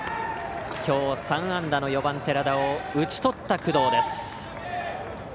きょう３安打の４番、寺田を打ち取った工藤です。